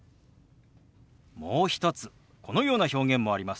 もう一つこのような表現もあります。